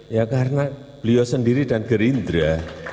ya karena beliau sendiri dan gerindra